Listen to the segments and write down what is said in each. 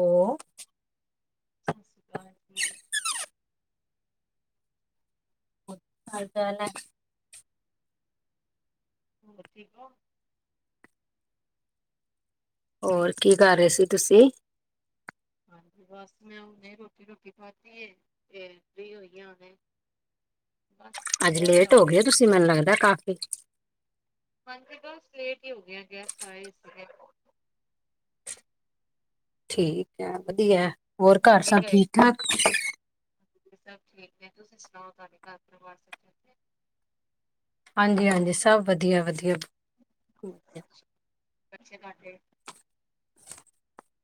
ਓ ਸਾਸ ਸ਼੍ਰੀ ਕਾਲ ਜੀ। ਹਾਲ-ਚਾਲ ਐ। ਹੋਰ ਠੀਕ ਐ। ਹੋਰ ਕੀ ਕਰ ਰਏ ਸੀ ਤੁਸੀਂ? ਹਾਂਜੀ ਬਸ ਮੈਂ ਹੁਣ ਰੋਟੀ-ਰੁਟੀ ਖਾਦੀ ਏ, ਤੇ ਫ੍ਰੀ ਹੋਇਆ। ਅੱਜ ਲੇਟ ਓ ਰਹੀ ਗਏ ਤੁਸੀਂ ਮੈਨੂੰ ਲੱਗਦਾ ਕਾਫੀ। ਹਾਂਜੀ ਬਸ ਲੇਟ ਈ ਹੋ ਗਏ ਆ ਗੈਸਟ ਆਏ ਸਿਗੇ। ਠੀਕ ਐ ਵਧੀਆ ਹੋਰ ਕੱਰ ਹੁਣੇ ਸਭ ਗਏ ਠੀਕ-ਠਾਕ। ਸਭ ਠੀਕ ਐ ਤੁਸੀਂ ਸੁਣਾਓ ਤੁਆਡੇ ਕੱਰ ਪਰਿਵਾਰ ਸਭ ਠੀਕ ਏ। ਹਾਂਜੀ-ਹਾਂਜੀ ਸਭ ਵਧੀਆ-ਵਧੀਆ। ਬੱਚੇ ਤਾਡੇ।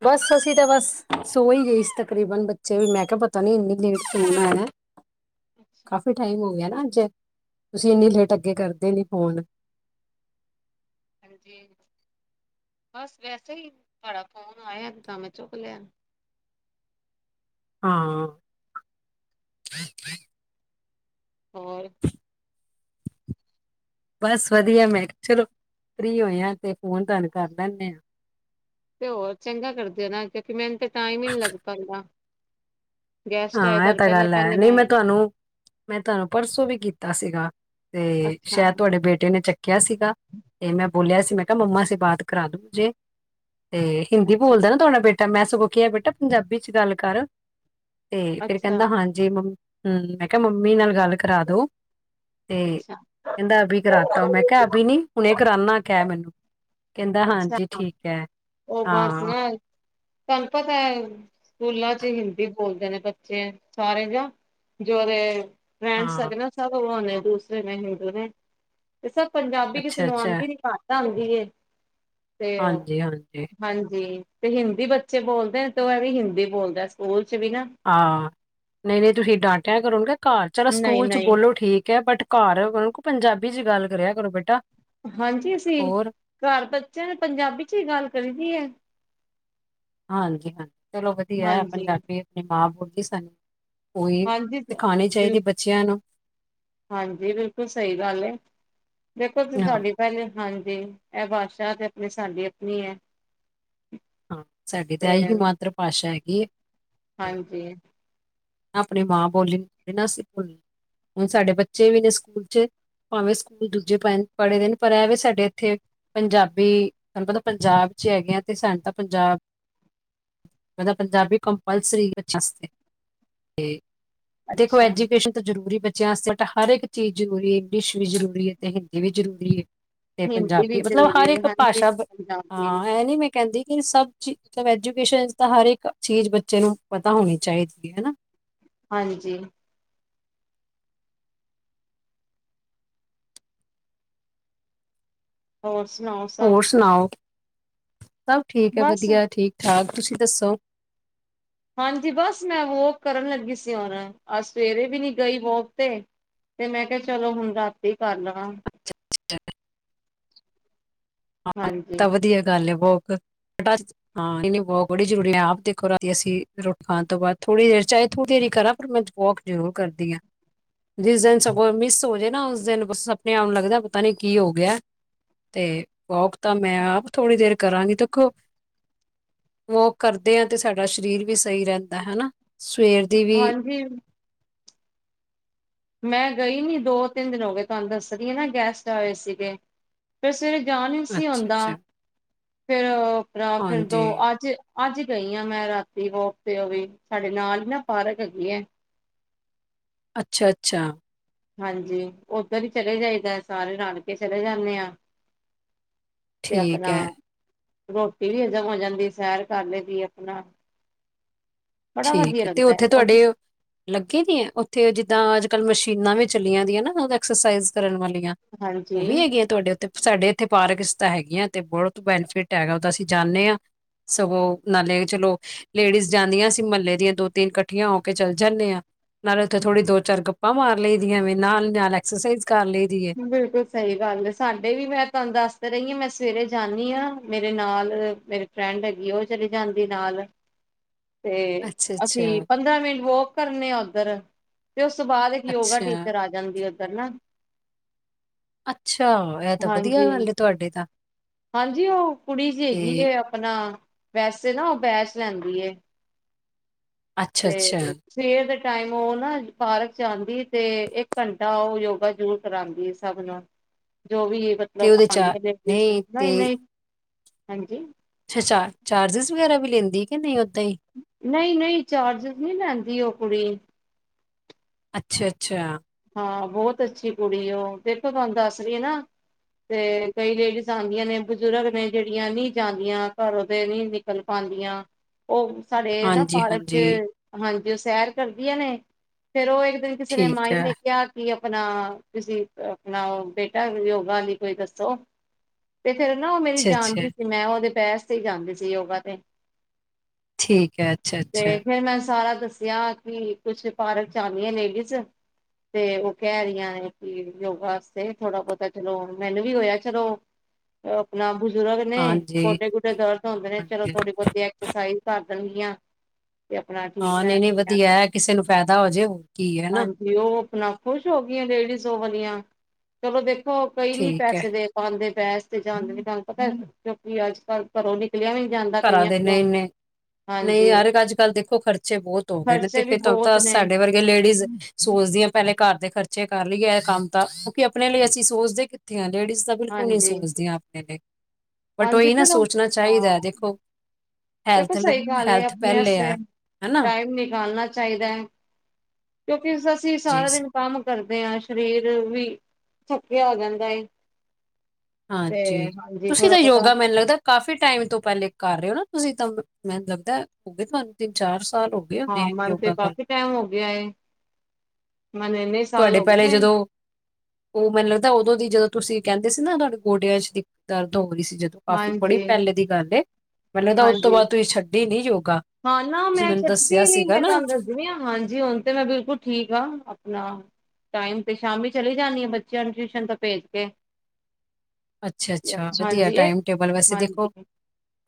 ਬਸ ਅਸੀਂ ਤਾਂ ਬਸ ਸੋ ਈ ਗਈ ਸੀ ਤਕਰੀਬਨ ਬੱਚੇ ਵੀ ਮੈਂ ਕੈਆ ਪਤਾ ਨੀ ਇੰਨੀ ਲੇਟ ਫੋਨ ਆਯਾ ਅੱਛਾ ਕਾਫੀ ਟਾਈਮ ਹੋ ਗਿਆ ਨਾ ਅੱਜ, ਤੁਸੀਂ ਏਨੀ ਲੇਟ ਅੱਗੇ ਕਰਦੇ ਨੀ ਫੋਨ। ਹਾਂਜੀ ਬਸ ਵੈਸੇ ਈ ਤੁਆਡਾ ਫੋਨ ਆਯਾ ਤਾਂ ਮੈਂ ਚੁੱਕ ਲਿਆ। ਹਾਂ। ਹੋਰ ਬਸ ਵਧੀਆ ਮੈਂ ਚਲੋ, ਫਰੀ ਹੋਏ ਆ ਤੇ ਫੋਨ ਤੁਆਨੂੰ ਕਰ ਲੈਂਨੇ ਆ। ਤੇ ਹੋਰ ਚੰਗਾ ਕਰਦੇ ਓ ਨਾ ਕਿਉਂਕਿ ਮੈਨੂੰ ਤੇ ਟਾਈਮ ਈ ਨੀ ਲੱਗ ਪਾਂਦਾ। ਗੈਸਟ ਆਏ ਹਾਂ ਏਹ ਤੁਹਾਨੂੰ ਤਾਂ ਪਤਾ ਗੱਲ ਐ ਪਹਿਲੇ ਨੀ ਮੈਂ ਤੁਆਨੂੰ ਮੈਂ ਤੁਆਨੂੰ ਪਰਸੋਂ ਵੀ ਕੀਤਾ ਸੀਗਾ ਤੇ ਅੱਛਾ ਸੈ਼ਦ ਤੁਆਡੇ ਬੇਟੇ ਨੇ ਚੱਕਿਆ ਸੀਗਾ। ਤੇ ਮੈਂ ਬੋਲਿਆ ਸੀ ਮੈਂ ਕੈਆ ਮੰਮਾ ਸੇ ਬਾਤ ਕਰਾ ਦੋ ਮੁਝੇ, ਤੇ ਹਿੰਦੀ ਅੱਛਾ ਬੋਲਦਾ ਨਾ ਤੁਆਡਾ ਬੇਟ ਤਾਂ ਮੈਂ ਸਗੋਂ ਕੀਆ ਬੇਟਾ ਪੰਜਾਬੀ ਚ ਗੱਲ ਕਰ ਤੇ ਫਿਰ ਅੱਛਾ ਕਹਿੰਦਾ ਹਾਂਜੀ ਮਮ, ਮੈਂ ਕਿਹਾ ਮੰਮੀ ਨਾਲ ਗੱਲ ਕਰਾ ਦੋ ਤੇ ਅੱਛਾ ਕਹਿੰਦਾ ਅਭੀ ਕਰਾਤਾ ਹੁੰ, ਮੈਂ ਕਿਹਾ ਅਭੀ ਨੀ ਹੁਣੇ ਕਰਾਨਾ ਕੈਹ ਮੈਨੂੰ ਕਹਿੰਦਾ ਅੱਛਾ। ਹਾਂਜੀ ਠੀਕ ਹੈ, ਹਾਂ। ਤਹਾਨੂੰ ਪਤਾ ਐ ਸਕੂਲਾਂ ਚ ਹਿੰਦੀ ਬੋਲਦੇ ਨੇ ਬੱਚੇ ਸਾਰੇ ਜਾ, ਜੋਦੇ ਫਰੈਂਡਸ ਹਾਂ ਸਭ ਨਾ ਸਬ ਉਹ ਨੇ ਦੂਸਰੇ ਨੇ ਹਿੰਦੂ ਨੇ ਤੇ ਸਭ ਪੰਜਾਬੀ ਕਿਸੇ ਅੱਛਾ ਨੂੰ ਅੱਛਾ ਆੰਦੀ ਨੀ ਘੱਟ ਆੰਦੀ ਏ, ਤੇ ਹਾਂਜੀ ਹਾਂਜੀ ਹਾਂਜੀ, ਤੇ ਹਿੰਦੀ ਬੱਚੇ ਬੋਲਦੇ ਤੇ ਇਹ ਵੀ ਹਿੰਦੀ ਬੋਲਦਾ ਸਕੂਲ ਚ ਵੀ ਨਾ ਹਾਂ ਨਹੀਂ, ਨਹੀਂ ਤੁਸੀਂ ਡਾਂਟਿਆ ਕਰੋ, ਉਨ੍ਹੋ ਕਹੋ ਘਰ ਚਲੋ ਨਹੀਂ ਸਕੂਲ ਚ ਨਹੀਂ ਬੋਲੋ ਠੀਕ ਹੈ। ਬਟ ਘਰ ਕਹੋ ਪੰਜਾਬੀ ਚ ਗੱਲ ਕਰਿਆ ਕਰੋ ਬੇਟਾ। ਹਾਂਜੀ ਅਸੀਂ ਹੋਰ ਘਰ ਬੱਚਿਆਂ ਨੇ ਪੰਜਾਬੀ ਚ ਹੀ ਗੱਲ ਕਰੀ ਦੀ ਹੈ। ਹਾਂਜੀ, ਹਾਂਜੀ ਚਲੋ ਵਧੀਆ ਐ, ਹਾਂਜੀ ਪੰਜਾਬੀ ਆਪਣੀ ਮਾਂ ਬੋਲੀ ਸਨ ਓਈ, ਹਾਂਜੀ ਸਿਖਾਣੀ ਬਿਲ ਚਾਹੀਦੀ ਬੱਚਿਆਂ ਨੂੰ। ਹਾਂਜੀ, ਬਿਲਕੁਲ ਸਹੀ ਗੱਲ ਏ, ਦੇਖੋ ਤੁਸੀਂ ਹਾਂ ਸਾਡੀ ਪਹਿਲੇ, ਹਾਂਜੀ ਐ ਭਾਸ਼ਾ ਤੇ ਆਪਣੀ ਸਾਡੀ ਅਪਣੀ ਹੈ। ਹਾਂ, ਸਾਡੀ ਤਾਂ‌ ਤੇ ਐਈ ਹੀ ਮਾਤ੍ਰ-ਭਾਸ਼ਾ ਹੈਗੀ ਐ। ਹਾਂਜੀ। ਆਪਣੀ ਮਾਂ ਬੋਲੀ ਨੂੰ ਨਾ ਅਸੀਂ ਭੁਲ, ਹੁਣ ਸਾਡੇ ਬੱਚੇ ਵੀ ਨੇ ਸਕੂਲ ਚੇ ਭਾਵੇਂ ਸਕੂਲ ਦੂਜੇ ਪਾਏ ਨੇ ਪੜ੍ਹੇਦੇ ਨੇ, ਪਰ ਐਵੇ ਸਾਡੇ ਇੱਥੇ ਪੰਜਾਬੀ, ਸਾਨੂੰ ਪਤਾ ਪੰਜਾਬ ਚ ਹੈਗੇ ਆਂ, ਤੇ ਸਾਨੂੰ ਤਾਂ ਪੰਜਾਬ ਮਤਲਬ ਪੰਜਾਬੀ ਕੰਪਲਸਰੀ ਬੱਚਿਆ ਵਾਸਤੇ, ਤੇ ਦੇਖੋ ਅੱਛਾ ਐਜੂਕੇਸ਼ਨ ਜ਼ਰੂਰੀ ਬੱਚਿਆਂ ਆਸਤੇ, ਹਰ ਇੱਕ ਚੀਜ਼ ਜ਼ਰੂਰੀ ਏ, ਇੰਗਲਿਸ਼ ਵੀ ਜ਼ਰੂਰੀ ਏ, ਤੇ ਹਿੰਦੀ ਵੀ ਜ਼ਰੂਰੀ ਏ। ਤੇ ਹਿੰਦੀ ਵੀ ਪੰਜਾਬੀ, ਮਤਲਬ ਜ਼ਰੂਰੀ ਹਰ ਹੈ ਇੱਕ ਹਾਂਜੀ ਭਾਸ਼ਾ [unintelligible] ਪੰਜਾਬੀ ਹਾਂ, ਐ ਨੀ ਵਈ ਕਹਿੰਦੀ ਕਿ ਸਭ ਚ ਮਤਲਬ ਐਜੂਕੇਸ਼ਨ ਚ ਤਾਂ ਹਰ ਇੱਕ, ਚੀਜ਼ ਬੱਚੇ ਨੂੰ ਪਤਾ ਹੋਣੀ ਚਾਹੀਦੀ ਹੈ, ਹਨਾ। ਹਾਂਜੀ। ਹੋਰ ਸੁਣਾਓ? ਸਭ ਹੋਰ ਸੁਣਾਓ, ਸਭ ਠੀਕ ਏ‌ ਬਸ ਵਧੀਆ। ਠੀਕ-ਠਾਕ ਤੁਸੀਂ ਦੱਸੋ? ਹਾਂਜੀ, ਬਸ ਮੈਂ ਵੋਕ ਕਰਨ ਲੱਗੀ ਸੀ ਹੁਣ, ਅਜ ਸਵੇਰੇ ਵੀ ਨੀ ਗਈ ਵੋਕ ਤੇ। ਤੇ, ਮੈਂ ਕਿਹਾ ਚਲੋ ਹੁਣ ਰਾਤੀ ਕਾਰ ਲਵਾ। [unintelligible] ਹਾਂ, ਏ ਹਾਂਜੀ ਤਾ ਵਧੀਆ ਗੱਲ ਏ ਵੋਕ, ਬਸ ਹਾਂ, ਨਹੀਂ-ਨਹੀ, ਵੋਕ ਬਹੁਕ ਬੜੀ ਜ਼ਰੂਰੀ ਐ, ਆਪ ਦੇਖੋ ਰਾਤੀ ਅਸੀ ਰੁਟ ਖਾਣ ਤੋਂ ਬਾਅਦ, ਥੋੜ੍ਹੀ ਦੇਰ ਚਾਹੇ ਥੋੜ੍ਹੀ ਦੇਰ ਹੀ ਕਰਾਂ, ਪਰ ਮੈਂ ਵੌਕ ਜ਼ਰੂਰ ਕਰਦੀ ਆਂ। ਜਿਸ ਦਿਨ ਸਗੋਂ ਮਿਸ ਹੋ ਜਾਏ ਨਾ, ਉਸ ਦਿਨ ਬਸ ਅਪਣੇ-ਆਪ ਨੂੰ ਲੱਗਦਾ ਪਤਾ ਨੀ ਕੀ ਹੋਗਿਆ। ਤੇ, ਵੋਕ ਤਾਂ 'ਮੈਂ' ਆਪ ਥੋੜ੍ਹੀ ਦੇਰ ਕਰਾਂਗੀ, ਦੇਖੋ ਵੋਕ ਕਰਦੇ ਆਂ, ਤੇ ਸਾਡਾ ਸ਼ਰੀਰ ਵੀ ਸਹੀ ਰਹਿੰਦਾ ਹਨਾ, ਸਵੇਰ ਦੀ ਵੀ [unintelligible] ਮੈਂ ਗਈ ਨੀ ਦੋ-ਤਿੰਨ ਦਿਨ ਹੋਗੇ, ਤੁਹਾਨੂੰ ਦੱਸਰੀ ਆ ਨਾ, ਗੈਸਟ ਆਏ ਸੀਗੇ। ਫੇਰ ਸਵੇਰੇ ਜਾਣ ਨਹੀ ਸੀ ਅੱਛਾ ਹੁੰਦਾ, ਅੱਛਾ ਫੇਰ ਔਹ ਅਪਣਾ ਫੇਰ ਦੋ, ਹਾਂਜੀ ਅੱਜ ਅੱਜ ਗਈ ਆਂ ਮੈਂ ਰਾਤੀ ਵੋਕ ਤੇ ਉਹ ਵੀ, ਸਾਡੇ ਨਾਲ ਹੀ ਨਾ ਪਾਰਕ ਹੈਗੀ ਏ‌। ਅੱਛਾ, ਅੱਛਾ। ਹਾਂਜੀ, ਔਧਰ ਹੀ ਚਲੇ ਜਾਈਦਾ ਸਾਰੇ ਰਾਲਕੇ ਚਲੇ ਜਾਂਨੇੇ ਆਂ। ਤੇ ਠੀਕ ਆਪਨਣਾ ਹੈ ਰ੍ਹੋਟੀ ਵੀ ਹਜ਼ਮ ਹੋ ਜਾਂਦੀ ਏ, ਸੈਰ ਕਰਲਈ ਦੀ ਆਪਣਾ ਬੜਾ ਵਧੀਆ ਠੀਕ ਐ, ਤੇ ਲੱਗਦਾ ਹੈ ਉੱਥੇ ਤੁਹਾਡੇ ਲੱਗੀ ਦੀਆ ੳਥੇ? ਜਿੱਦਾਂ ਅੱਜ-ਕਲ ਮਸ਼ੀਨਾਂ ਵੀ ਚੱਲੀਆਂ ਦੀਆਂ ਨਾ ਓ ਐਕਸਰਸਾਈਜ਼ ਕਰਨ ਵਾਲੀਆਂ। ਹਾਂਜੀ ੳਵੀ ਹੈਗੀਆਂ, ਤੁਹਾਡੇ ੳਥੇ? ਸਾਡੇ ਏਥੇ ਪਾਰਕ ਚ ਤਾ ਹੈਗੀਆਂ ਤੇ ਬੋਤ ਬੈਨੀਫਿਟ ਹੈਗਾ ੳਦਾ, ਅਸੀ ਜਾਂਨੇੇ ਆਂ। ਸਗੋ ਨਾਲੇ ਚਲੋ ਲੇਡੀਜ਼ ਜਾਂਦੀਆਂ ਮੱਲੇ ਦੀਆਂ ਦੋ-ਤਿੰਨ ਕੱਠੀਆਂ ਹੋਕੇ ਚਲ ਜਾਂਨੇ ਆਂ, ਨਾਲੇ ੳਥੇ ਥੋੜੀ ਦੋ-ਚਾਰ ਗੱਪਾਂ ਮਾਰ ਲਈ ਦੀਆਂ ਵੇ, ਨਾਲ-ਨਾਲ ਐਕਸਰਸਾਈਜ਼ ਕਰ ਲਈ ਦੀ ਏ। ਬਿਲਕੁਲ ਸਹੀ ਗੱਲ ਏ। ਸਾਡੇ ਵੀ ਮੈਂ ਤਾਨੂੰ ਦੱਸ ਤਾ ਰਹੀ ਆ, ਮੈਂ ਸਵੇਰੇ ਜਾਂਨੀ ਆ, ਮੇਰੇ ਨਾਲ ਮੇਰੇ ਫੈ੍ੰਡ ਹੈਗੀ ੳ ਚਲੀ ਜਾਂਦੀ ਨਾਲ ਤੇ ਅੱਛਾ ਅੱਛਾ ਅਸੀਂ ਪੰਦਰਾਂ ਮਿੰਟ ਵੋਕ ਕਰਨੇ ਆਂ ੳਧਰ ਤੇ ੳਸ ਤੋਂ ਬਾਦ ਏਕ ਯੋਗਾ ਅੱਛਾ ਟੀਚਰ ਆ ਜਾਂਦੀ ਏ ਓਧਰ ਨਾ। ਅੱਛਾ ਇਹ ਤਾਂ ਵਧੀਆ ਹਾਂਜੀ। ਗੱਲ ਹੈ ਤੁਹਾਡੇ ਤਾਂ ਹਾਂਜੀ, ੳ ਕੁੜੀ ਜੀ ਹੈਗੀ ਤੇ ਐ ਅਪਨਾ ਵੈਸੇ ਨਾ ੳ ਬੈਚ ਲੈਂਦੀ ਏ। ਅੱਛਾ ਅੱਛਾ ਤੇ ਸਵੇਰ ਦੇ ਟਾਈਮ ੳ ਨਾ ਪਾਰਕ ਚ ਆਂਦੀ ਏ, ਤੇ ਇੱਕ ਘੰਟਾ ੳ ਯੋਗਾ ਜਰੂਰ ਕਰਾਂਦੀ ਏ‌ ਸਭ ਨੂੰ। ਜੋ ਵੀ ਏ, ਤੇ ਮਤਲਬ ਉਹਦੇ ਚਾਰ ਆਂਦੀਆਂ ਨੇ ਸਵੇਰੇ-ਸਵੇਰੇ। ਨਹੀਂ ਨਈ-ਨਈ, ਹਾਂਜੀ ਅੱਛਾ-ਅੱਛਾ। ਚਾਰਜਿਸ ਵਗੈਰਾ ਵੀ ਲੇਂਦੀ ਏ ਕੇ ਨਈ ਓਦਾਂ ਈ। ਨਈ-ਨਈ, ਚਾਰਜਿਸ ਨਈ ਲੈਂਦੀ, ੳ ਕੁੜੀ। ਅੱਛਾ-ਅੱਛਾ। ਹਾਂ, ਬੋਤ ਅੱਛੀ ਕੁੜੀ ਏ ੳ, ਦੇਖੋ ਤਾਨੂੰ ਦੱਸ ਰੀ ਆ ਨਾ। ਤੇ ਕਈ ਲੇਡੀਜ਼ ਆਂਦੀਆ ਨੇ, ਬਜੁਰਗ ਨੇ ਜੇੜੀਆਂ ਨੀ ਜਾਂਦੀਆਂ ਘਰੋ ਦੇ ਨੀ ਕਲਪਾਂਦੀਆ ੳਹ ਸਾਡੇ ਨਾ ਹਾਂਜੀ ਪਾਰਕ ਚ ਹਾਂਜੀ ਹਾਂਜੀ, ੳਹ ਸੈਰ ਕਰਦੀਆਂ ਨੇ, ਫੇਰ ੳਹ ਇੱਕ ਦਿਨ ਕਿਸੇ ਨੇ ਠੀਕ ਭਾਈ ਹੈ ਨੇ ਕਿਆ ਕਿ, ਅਪਨਾ ਤੁਸੀ ਅਪਨਾ ਓ ਬੇਟਾ, ਯੋਗਾ ਲਈ ਕੋਈ ਦੱਸੋ ਤੇ ਫੇਰ ਨਾ ੳ ਮੇਰੀ ਅੱਛਾ ਅੱਛਾ ਜਾਨਦੀ ਸੀ, ਮੈਂ ੳਦੇ ਬੈਚ ਤੇ ਜਾਂਦੀ ਸੀ ਯੋਗਾ ਤੇ। ਠੀਕ ਹੈ, ਤੇ ਅੱਛਾ-ਅੱਛਾ। ਫੇਰ ਮੈਂ ੳਨੂੰ ਸਾਰਾ ਦੱਸੇਆ ਕਿ ਕੁਛ ਪਾਰਕ ਚ ਆਂਦੀਆ ਨੇ ਲੇਡੀਸ ਤੇ ੳਹ ਕੈ ਰਈਆਂ ਨੇ ਕਿ, ਯੋਗਾ ਆਸਤੇ ਥੋੜਾ-ਬੋਤ ਚਲੋ, ਮੈਨੂੰ ਵੀ ਹੋਏਆ ਚਲੋ ਅਪਨਾ ਬਜੁਰਗ ਨੇ, ਹਾਂਜੀ, ਗੋਡੇ-ਗੁਡੇ ਦਰਦ ਹੁੰਦੇ ਨੇ, ਚਲੋ ਹਾਂਜੀ। ਥੋੜੀ-ਬੋਤੀ ਐਕਸਰ ਸਾਈਜ ਕਰ ਦਨਗੀਆਂ। ਹਾਂ, ਨਈ-ਨਈ ਵਧੀਆ ਐ, ਕਿਸੇ ਨੂੰ ਫੈਦਾ ਹੋ ਜੇ ਹੋਰ ਕੀ, ਹੈਨਾ। ਤੇ ੳਹ ਅਪਨਾ ਖੁਸ਼ ਹੋ ਗਈਆ ਲੇਡੀਸ ੳਹ ਵਾਲੀਆਂ। ਚਲੋ ਦੇਖੋ, ਕਈ ਨੀ ਠੀਕ ਐ। ਪੈਸੇ ਦੇ ਓਦੇ ਬੈਚ ਤੇ ਜਾਂਦੇ ਨੇ, ਤਾਨੂੰ ਪਤਾ ਕਿਉਂਕਿ ਅੱਜ ਕੱਲ ਘਰੋ ਦੀ ਤੁਰਆ ਵੀ ਨੀ ਜਾਂਦਾ ਕਈਆਂ ਕੋਲੋ। ਨਈ ਯਾਰ, ਅੱਜ ਕੱਲ ਦੇਖੋ ਖਰਚੇ ਬੋਤ ਹੋ ਗਏ ਨੇ, ਤੇ ਖਰਚੇ ਵੀ ਫੇਰ ਤਾਨੂੰ ਬਹੁਤ ਪਤਾ, ਨੇ ਸਾਡੇ ਵਰਗੇ ਲੇਡੀਸ ਸੋਚਦੀਆਂ ਪੈਲੇ ਘਰ ਦੇ ਖਰਚੇ ਕਰ ਲਈਏ, ਐ ਕੰਮ ਤਾਂ, ਕਿਉਂਕਿ ਅਪਨੇ ਲਈ ਅਸੀ ਸੋਚਦੇ ਕਿੱਥੇ ਆ, ਲੇਡੀਸ ਬਿਲਕੁਲ ਨਈ ਹਾਂਜੀ ਸੋਚਦੀਆਂ ਅਪਨੇ ਲਈ, ਬਟ ਹਾਂਜੀ ੳਹੀ ਨਾ ਫਿਰ ਉਹ ਸੋਚਨਾ ਹਾਂ ਚਾਈਦਾ। ਦੇਖੋ ਦੇਖੋ, ਹੈਲਥ ਸਹੀ ਗੱਲ ਏ। ਹੈਲਥ ਅਪਨੇ ਪਹਿਲੇ ਆਸਤੇ ਐ, ਹਨਾ? ਟਾਈਮ ਨਿਕਾਲਨਾ ਚਾਈਦਾ ਏ। ਕਿੳਕਿ ਅਸੀ ਜੀ। ਸਾਰਾ ਦਿਨ ਕੰਮ ਕਰਦੇ ਆਂ। ਸਰੀਰ ਵੀ ਥੱਕੇਆ ਹੋ ਜਾਂਦਾ ਏ। ਤੇ ਹਾਂਜੀ। ਹਾਂਜੀ ਤੁਸੀ ਥੋੜਾ ਤਾਂ ਬਹੁਤਾ ਯੋਗਾ ਮੈਨੂੰ ਲੱਗਦਾ ਕਾਫ਼ੀ ਟਾਈਮ ਤੋਂ ਪੈਲੇ ਕਰ ਰਹੇ ਹੋ ਨਾ ਤੁਸੀ ਤਾਂ। ਮੈਨੂੰ ਲੱਗਦਾ ਐ ਹੋ ਗਏ ਤਾਨੂੰ ਤਿੰਨ ਚਾਰ ਸਾਲ ਹੋਗੇ ਹਾਂ, ਮਨੂੰ ਤੇ ਕਾਫੀ ਟਾਈਮ ਹੋ ਗਿਆ ਏ। ਮੈਨੂ ਏਨੇ ਤੁਆਡੇ ਪੈਲੇ ਜਦੋ ੳਹ ਮੈਨੂੰ ਲੱਗਦਾ ਏ, ਉਦੋਂ ਦੀ ਜਦੋਂ ਤੁਸੀ ਕਹੰਦੇ ਸੀ ਨਾ, ਤੁਹਾਡੇ ਗੋਡਿਆਂ ਚ ਦਰਦ ਹੋ ਰਹੀ ਸੀ ਜਦੋਂ ਕਾਫੀ ਬੜੀ ਹਾਂਜੀ ਪੈਲੇ ਦੀ ਗੱਲ ਏ। ਮੈਨੂੰ ਲੱਗਦਾ ਉਹ ਤੋਂ ਹਾਂਜੀ, ਬਾਅਦ ਤੁਸੀਂ ਛੱਡੀ ਨੀ ਯੋਗਾ ਹਾਂ ਨਾ ਤੁਸੀਂ ਮੈਂ ਮੈਨੂੰ ਛੱਡਦੀ ਦੱਸਿਆ ਨੀ ਸੀਗਾ ਮੈਂ ਨਾ ਤੁਹਾਨੂੰ ਦਸ ਜਿਵੇਂ ਆ ਹਾਂਜੀ ਹੁਣ 'ਤੇ ਮੈਂ ਬਿਲਕੁੱਲ ਠੀਕ ਆ ਆਪਣਾ ਟਾਈਮ 'ਤੇ ਸ਼ਾਮੀ ਚਲੀ ਜਾਣੀ ਆ ਬੱਚਿਆਂ ਨੂੰ ਟਿਊਸ਼ਨ ਤੋਂ ਭੇਜ ਕੇ। ਅੱਛਾ-ਅੱਛਾ ਵਧੀਆ ਹਾਂਜੀ ਇਹ ਟਾਈਮ ਟੇਬਲ ਵੈਸੇ ਹਾਂਜੀ ਦੇਖੋ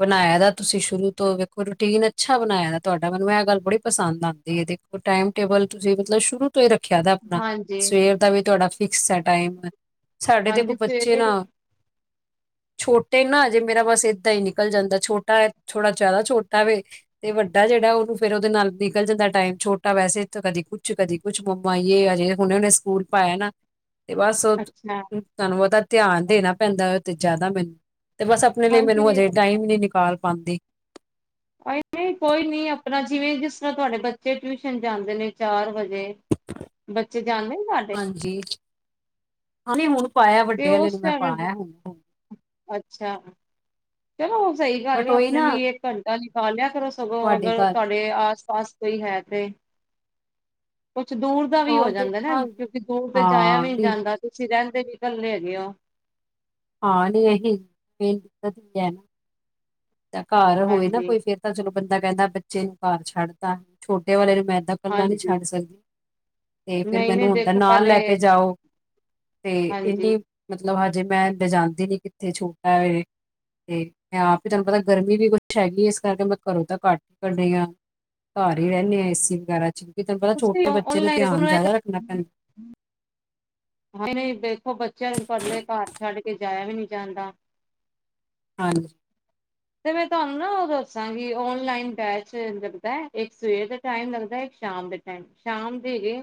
ਬਣਾਇਆ ਦਾ ਤੁਸੀਂ ਸ਼ੁਰੂ ਤੋਂ ਵੇਖੋ ਰੂਟੀਨ ਅੱਛਾ ਬਣਾਇਆ ਦਾ ਤੁਹਾਡਾ ਮੈਨੂੰ ਐ ਗੱਲ ਬੜੀ ਪਸੰਦ ਆਂ ਦੀ ਏ ਦੇ ਟਾਈਮ ਟੇਬਲ ਤੁਸੀਂ ਮਤਲਬ ਸ਼ੁਰੂ ਤੋਂ ਏ ਰੱਖਿਆ ਦਾ ਆਪਣਾ ਹਾਂਜੀ ਸਵੇਰ ਦਾ ਵੀ ਤੁਹਾਡਾ ਫਿਕਸ ਐ ਟਾਈਮ। ਸਾਡੇ ਦੇਖੋ ਹਾਂਜੀ ਬੱਚੇ ਸਵੇਰੇ ਨਾ ਵੀ ਛੋਟੇ ਨਾ ਹਜੇ ਮੇਰਾ ਬਸ ਏਦਾਂ ਈ ਨਿਕਲ ਜਾਂਦਾ, ਛੋਟਾ ਐ ਥੋੜਾ ਜਿਆਦਾ ਛੋਟਾ ਵੇ 'ਤੇ ਵੱਡਾ ਜੇੜਾ ਉਨੂੰ ਫਿਰ ਉਦੇ ਨਾਲ ਨਿਕਲ ਜਾਂਦੈ ਟਾਈਮ ਛੋਟਾ ਵੈਸੇ ਇਥੋਂ ਕਦੀ ਕੁਛ, ਕਦੀ ਕੁਛ ਮੰਮਾ ਜੇ ਅਜੇ ਹੁਣੇ-ਹੁਣੇ ਸਕੂਲ ਪਾਇਆ ਨਾ 'ਤੇ ਬਸ ਓਤ, ਅੱਛਾ ਤੁਹਾਨੂੰ ਪਤਾ ਧਿਆਨ ਦੇਣਾ ਪੈਂਦਾ ਓ 'ਤੇ ਜਿਆਦਾ ਮੈਨੂੰ 'ਤੇ ਬਸ ਆਪਣੇ ਲਈ ਮੈਂਨੂੰ ਹਾਂਜੀ ਹਜੇ ਟਾਈਮ ਅ ਨੀ ਨਿਕਾਲ ਪਾਂਦੀ। ਆਈ ਨੀ ਕੋਈ ਨੀ ਆਪਣਾ ਜਿਵੇਂ ਜਿਸ ਤਰਾਂ ਤੁਹਾਡੇ ਬੱਚੇ ਟਿਊਸ਼ਨ ਜਾਂਦੇ ਨੇ ਚਾਰ ਵਜੇ ਬੱਚੇ ਜਾਂਦੇ ਨੇ ਤੁਹਾਡੇ। ਹਾਂਜੀ, ਅਰੇ ਹੁਣ ਪਾਇਆ ਤੇ ਵੱਡੇ ਆਲੇ ਉਸ ਨੂੰ ਮੈਂ ਟਾਈਮ ਪਾਇਆ ਹੁਣ। ਅੱਛਾ। ਚਲੋ ਓ‌ ਸਈ ਗੱਲ ਬਟ ਏ ਉਹੀ ਆਪਣੇ ਨਾ ਲਈ ਇੱਕ ਘੰਟਾ ਨਿਕਾਲਿਆ ਕਰੋ ਸਗੋਂ ਤੁਹਾਡੀ ਅਗਰ ਗੱਲ ਤੁਹਾ ਰੇ ਆਸ-ਪਾਸ ਕੋਈ ਹੈ 'ਤੇ, ਕੁਛ ਦੂਰ ਦਾ ਵੀ ਹੋ ਹਾਂ ਜਾਂਦਾ ਐ ਨਾ ਦੇਖਾਂਗੇ ਕਿਉਂਕਿ ਦੂਰ 'ਤੇ ਜਾਇਆ ਹਾਂ ਵੀ ਨੀ ਨਹੀਂ ਜਾਂਦਾ ਤੁਸੀਂ ਰੈਂਦੇ ਵੀ ਕੱਲੇ ਹੈਗੇ ਓ। ਆਢ ਏਹੀ [inaudible] ਤਾਂ ਘਰ ਹੋਏ ਨਾ ਹਾਂਜੀ ਕੋਈ ਫੇਰ ਤਾਂ ਚਲੋ ਬੰਦਾ ਕੈਂਦਾ ਬੱਚੇ ਨੂੰ ਘਰ ਛੱਡ ਤਾਂ ਛੋਟੇ ਵਾਲੇ ਨੂੰ ਮੈਂ ਐਦਾ ਕੱਲਾ ਨੀ ਹਾਂਜੀ ਛੱਡ ਸਕਦੀ 'ਤੇ ਫਿਰ ਨਹੀਂ ਨਹੀਂ ਮੈਨੂੰ ਹੁੰਦਾ ਦੇਖੋ ਨਾਲ ਪਹਿਲੇ ਲੈ ਕੇ ਜਾਓ। 'ਤੇ ਹਾਂਜੀ ਇੰਨੀ ਮਤਲਬ ਹਜੇ ਮੈਂ ਲੈਂ ਜਾਂਦੀ ਨੀ ਕਿੱਥੇ ਛੋਟਾ ਵੇ 'ਤੇ ਮੈਂ ਆਪ ਫੇਰ ਤੁਹਾਨੂੰ ਪਤਾ ਗਰਮੀ ਵੀ ਕੁਛ ਹੈਗੀ ਇਸ ਕਰਕੇ ਮੈਂ ਘਰੋਂ ਤਾਂ ਘੱਟ ਕਨੀ ਆ। ਘਰ ਏ ਰੈਂਨੇ ਆ ਏ ਸੀ ਵਗੈਰਾ 'ਚ ਕਿਉਂਕਿ ਤੁਹਾਨੂੰ ਪਤਾ ਤੁਸੀਂ ਛੋਟੇ ਬੱਚੇ ਦਾ ਔਨਲਾਈਨ ਦੇਖੋ ਧਿਆਨ ਜਿਆਦਾ ਰੱਖਣਾ ਪੈਂ ਹਾ ਨਈ-ਨਈ ਵੇਖੋ ਬੱਚਿਆਂ ਨੂੰ ਕੱਲੇ ਘਰ ਛੱਡ ਕੇ ਜਾਇਆ ਵੀ ਨੀ ਜਾਂਦਾ। ਹਨ। 'ਤੇ ਮੈਂ ਤੁਹਾਨੂੰ ਨਾ ਓ ਦੱਸਾਂਗੀ ਓਨਲਾਈਨ ਬੈਚ ਲੱਗਦੈ ਇੱਕ ਸਵੇਰ ਦੇ ਟਾਈਮ ਲੱਗਦੈ, ਇੱਕ ਸ਼ਾਮ ਦੇ ਟਾਈਮ ਸ਼ਾਮ ਦੇ ਹੈਗੇ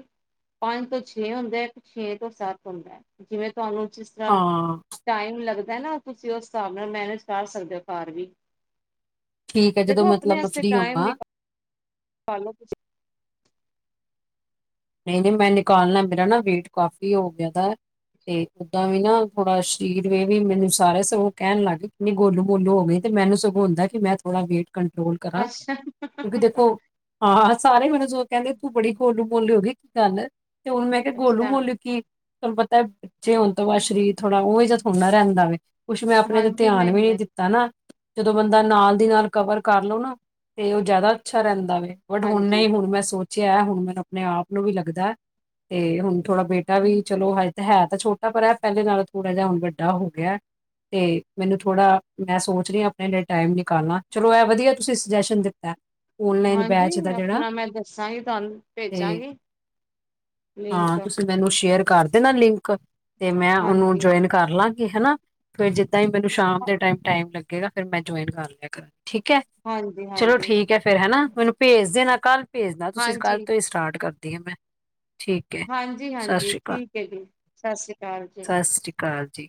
ਪੰਜ ਤੋਂ ਛੇ ਹੁੰਦੈ, ਇੱਕ ਛੇ ਤੋਂ ਸੱਤ ਹੁੰਦੈ ਜਿਵੇਂ ਤੁਹਾਨੂੰ ਜਿਸ ਤਰਾਂ ਹਾਂ ਟਾਈਮ ਲੱਗਦੈ ਨਾ ਤੁਸੀਂ ਉਸ ਹਿਸਾਬ ਨਾਲ ਮੈਨੇਜ ਕਰ ਸਕਦੇ ਓ ਘਰ ਵੀ। ਠੀਕ ਹੈ ਜਦੋਂ ਦੇਖੋ ਮਤਲਬ ਆਪਣੇ ਮੈਂ ਵਸਤੇ ਫ੍ਰਰੀ ਟਾਈਮ ਨਿ, ਹੋਵਾਂ ਕਾਲੋ ਤੁਸੀਂ। ਨਈ-ਨਈ ਮੈਂ ਨਿਕਾਲਣਾ ਮੇਰਾ ਨਾ ਵੇਟ ਕਾਫੀ ਹੋ ਗਿਆ ਦਾ 'ਤੇ ਓਦਾਂ ਵੀ ਨਾ ਥੋੜਾ ਸਰੀਰ ਵੇ ਵੀ ਮੈਨੂੰ ਸਾਰੇ ਸਗੋਂ ਕੈਂਨ ਲਾਗੇ ਕਿੰਨੀ ਗੋਲੂ ਮੋਲੂ ਹੋਗੇ 'ਤੇ ਮੈਨੂੰ ਸਗੋਂ ਹੁੰਦਾ ਕਿ ਮੈਂ ਥੋੜਾ ਵੇਟ ਕੰਟਰੋਲ ਕਰਾਂ, ਅੱਛਾ ਕਿਉਂਕਿ ਦੇਖੋ ਹਾਂ ਸਾਰੇ ਮੈਨੂੰ ਸਗੋਂ ਕੈਂਦੇ ਤੂੰ ਬੜੀ ਗੋਲੂ ਮੋਲੂ ਹੋਗੀ ਕੀ ਗੱਲ 'ਤੇ ਹੁਣ ਮੈਂ ਕੇਆ ਗੋਲੂ ਅੱਛਾ ਮੋਲੂ ਕੀ ਤੁਹਾਨੂੰ ਪਤੈ ਬੱਚੇ ਹੋਣ ਤੋਂ ਬਾਅਦ ਸ਼ਰੀਰ ਥੋੜਾ ਉਈ ਜਾ ਥੋੜਾ ਨਾ ਰੈਂਦਾ ਵੇ। ਕੁਛ ਮੈਂ ਆਪਣੇ 'ਤੇ ਹਾਂਜੀ ਧਿਆਨ ਨਹੀਂ ਵੀ ਨੀ ਨਹੀਂ ਦਿੱਤਾ ਨਾ। ਜਦੋਂ ਬੰਦਾ ਨਾਲ ਦੀ ਨਾਲ ਕਵਰ ਕਰ ਲੋ ਨਾ 'ਤੇ ਓ ਜਿਆਦਾ ਅੱਛਾ ਰੈਂਦਾ ਵੇ। ਬਟ ਹੁਣ ਹਾਂਜੀ ਨਈ ਹੁਣ ਮੈਂ ਸੋਚਿਆ ਹੁਣ ਮੈਨੂੰ ਆਪਣੇ ਆਪ ਨੂੰ ਵੀ ਲੱਗਦੈ 'ਤੇ ਹੁਣ ਥੋੜਾ ਬੇਟਾ ਵੀ ਚਲੋ ਹ 'ਤੇ ਹੈ ਤਾਂ ਛੋਟਾ ਪਰ ਐ ਪਹਿਲੇ ਨਾਲੋਂ ਥੋੜਾ ਜਾ ਹੁਣ ਵੱਡਾ ਹੋ ਗਿਆ। ਤੇ ਮੈਨੂੰ ਥੋੜਾ ਮੈਂ ਸੋਚ ਰਹੀ ਆ ਆਪਣੇ ਲਈ ਟਾਈਮ ਨਿਕਾਲਣਾ, ਚਲੋ ਐਹ ਵਧੀਆ ਤੁਸੀਂ ਸੁਜੈਸ਼ਨ ਦਿ ਤਾ ਓਨਲਾਈਨ ਹਾਂਜੀ ਬੈਚ ਦਾ ਜੇੜਾ, ਆਪਣਾ ਮੈਂ ਦੱਸਾਂਗੀ ਤੁਹਾਨੂੰ ਤੇ ਭੇਜਾਂਗੀ ਲਿੰਕ ਹਾਂ ਤੁਸੀਂ ਮੈਨੂੰ ਸ਼ੇਅਰ ਕਰ ਦੇਣਾ ਲਿੰਕ, ਤੇ ਮੈਂ ਓਨੂੰ ਹਾਂਜੀ ਜੁਆਇਨ ਕਰ ਲਾਗੀ ਹਨਾ। ਫੇਰ ਜਿਦਾਂ ਈ ਮੈਨੂੰ ਸ਼ਾਮ ਦੇ ਟਾਈਮ ਟਾਈਮ ਲੱਗੇਗਾ ਫੇਰ ਮੈਂ ਜੁਆਇਨ ਕਰ ਲਿਆ ਕਰਾ ਠੀਕ ਐ। ਹਾਂਜੀ ਚਲੋ ਹਾਂਜੀ ਠੀਕ ਐ ਫੇਰ ਹੈਨਾ, ਮੈਨੂੰ ਭੇਜ ਦੇਣਾ ਕੱਲ ਭੇਜਨਾ ਤੁਸੀਂ ਕੱਲ ਹਾਂਜੀ ਤੋਂ ਈ ਸਟਾਰਟ ਕਰ ਦੀ ਆ ਮੈਂ, ਠੀਕ ਸਤਿ ਹਾਂਜੀ-ਹਾਂਜੀ ਸ਼੍ਰੀ ਅਕਾਲ ਠੀਕ ਐ ਜੀ, ਸਤਿ ਸ੍ਰੀ ਅਕਾਲ ਜੀ। ਕਾਲ ਜੀ।